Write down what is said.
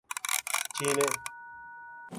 چینّے